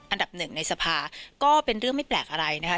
อันดับหนึ่งในสภาก็เป็นเรื่องไม่แปลกอะไรนะคะ